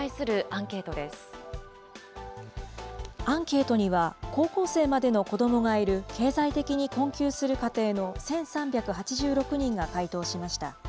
アンケートには、高校生までの子どもがいる、経済的に困窮する家庭の１３８６人が回答しました。